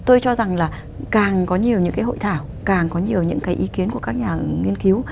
tôi cho rằng là càng có nhiều những cái hội thảo càng có nhiều những cái ý kiến của các nhà nghiên cứu